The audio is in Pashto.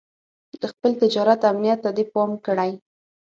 د خپل تجارت امنيت ته دې پام کړی.